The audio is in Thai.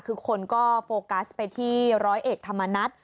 คือคนก็โฟกัสไปที่ร้อยเอกธรรมนัฐ